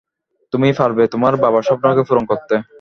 তুমিই পারবে তোমার বাবার স্বপ্নকে পূরণ করতে।